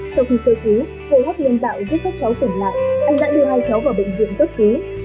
sau khi xây cứu hồi hấp liên tạo giúp các cháu tỉnh lại anh đã đưa hai cháu vào bệnh viện cấp cứu